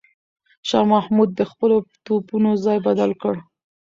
شاه محمود د خپلو توپونو ځای بدل کړ.